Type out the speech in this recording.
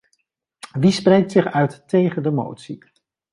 Wie spreekt zich uit tegen de motie?